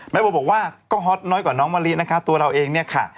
โบบอกว่าก็ฮอตน้อยกว่าน้องมะลินะคะตัวเราเองเนี่ยค่ะ